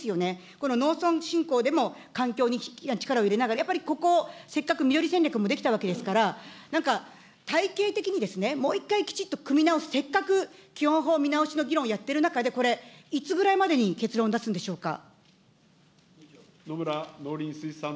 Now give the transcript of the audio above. この農村振興でも環境に力を入れながら、やっぱりここ、せっかくみどり戦略もできたわけですから、なんか体系的に、もう一回、きちっと組み直す、せっかく基本法見直しの議論をやっている中で、これ、いつぐらいまでに結論出すんでしょうか。